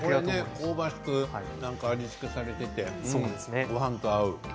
香ばしく味付けされていてごはんと合う。